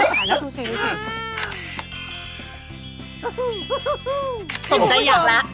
ทำดายอยากละ